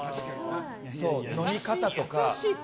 飲み方とか。